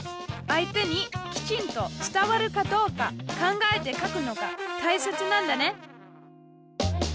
相手にきちんと伝わるかどうか考えて書くのがたいせつなんだね。